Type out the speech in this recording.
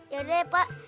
yaudah ya pak